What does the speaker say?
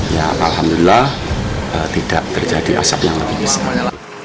ya alhamdulillah tidak terjadi asap yang lebih besar